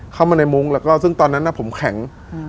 เข้ามาในมุ้งซึ่งตอนนั้นอะผมแข็ง